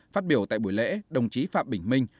phát biểu tại buổi lễ đồng chí phạm bình minh